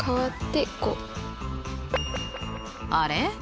あれ？